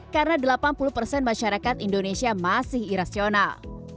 karena delapan puluh persen masyarakat indonesia masih irasional